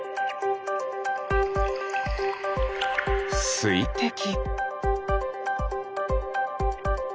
すいてき。